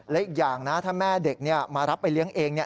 และอีกอย่างนะถ้าแม่เด็กมารับไปเลี้ยงเองเนี่ย